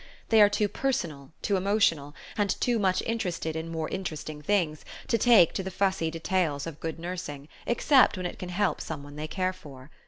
They are too personal, too emotional, and too much interested in more interesting things, to take to the fussy details of good nursing, except when it can help some one they care for.